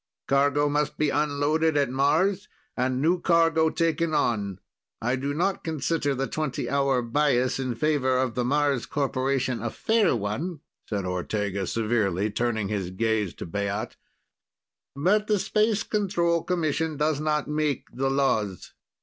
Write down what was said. Cargo must be unloaded at Mars and new cargo taken on. I do not consider the twenty hour bias in favor of the Mars Corporation a fair one," said Ortega severely, turning his gaze to Baat, "but the Space Control Commission does not make the laws.